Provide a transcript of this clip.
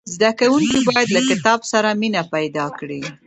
زدهکوونکي باید له کتاب سره مینه پیدا کړي.